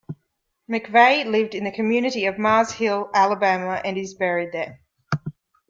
McVay lived in the community of Mars Hill, Alabama and is buried there.